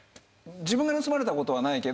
自分が盗まれたことはないけど。